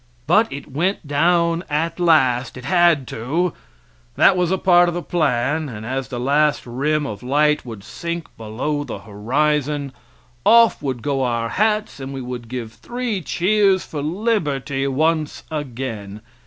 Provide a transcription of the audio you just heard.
But it went down at last, it had to; that was a part of the plan, and as the last rim of light would sink below the horizon, off would go our hats and we would give three cheers for liberty once again.